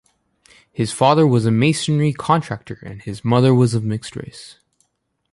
His father was a masonry contractor and his mother was of mixed race.